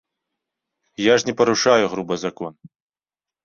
Я ж не парушаю груба закон.